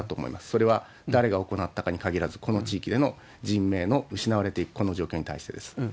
それは誰が行ったかに限らず、この地域での人命の失われていくこの状況に対してです。